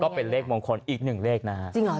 ก็เป็นเลขมองคนอีกหนึ่งเลขนะครับ